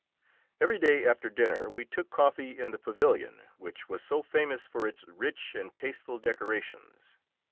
Every day after dinner we took coffee in the pavilion which was so famous for its rich and tasteful decorations.